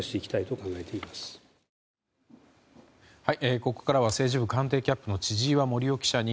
ここから政治部官邸キャップの千々岩森生記者に